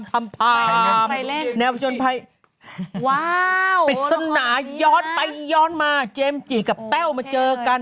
แบบแบบเป็นนาประชุมภัยว้าวพฤษณาย้อนไปย้อนมาเจมส์จิกับแต้วมาเจอกัน